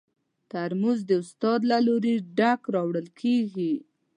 ترموز د استاد له لوري ډک راوړل کېږي.